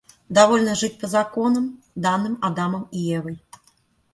Довольно жить законом, данным Адамом и Евой.